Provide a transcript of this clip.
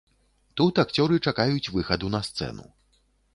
Тут акцёры чакаюць выхаду на сцэну.